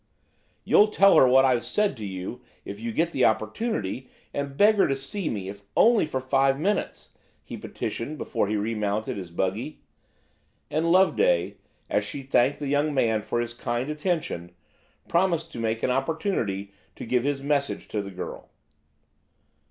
"You'll tell her what I've said to you, if you get the opportunity, and beg her to see me, if only for five minutes?" he petitioned before he re mounted his buggy. And Loveday, as she thanked the young man for his kind attention, promised to make an opportunity to give his message to the girl.